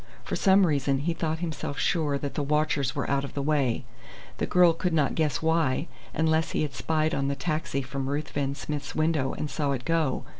For some reason he thought himself sure that the watchers were out of the way. The girl could not guess why, unless he had spied on the taxi from Ruthven Smith's window and saw it go.